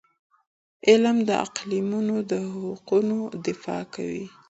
علم د اقلیتونو د حقونو دفاع کوي.